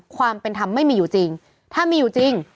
ความเป็นธรรมไม่มีอยู่จริงถ้ามีอยู่จริง